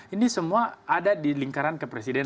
ini semua ada di lingkaran kepresidenan